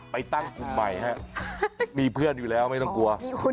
ไม่ใช่เปล่า